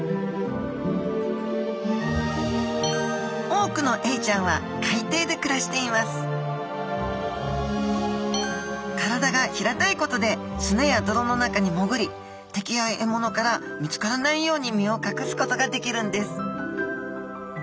多くのエイちゃんは海底で暮らしています体が平たいことで砂や泥の中に潜り敵や獲物から見つからないように身を隠すことができるんです